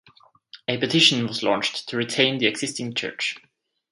A petition was launched to retain the existing church.